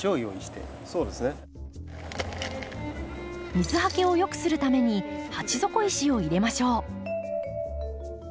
水はけをよくするために鉢底石を入れましょう。